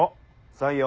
採用。